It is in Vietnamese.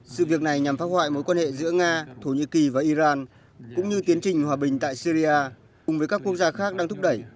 sự việc này nhằm phác họa mối quan hệ giữa nga thổ nhĩ kỳ và iran cũng như tiến trình hòa bình tại syria cùng với các quốc gia khác đang thúc đẩy